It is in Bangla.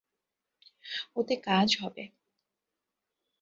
ওতে কাজ হবে।